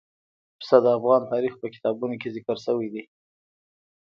پسه د افغان تاریخ په کتابونو کې ذکر شوی دي.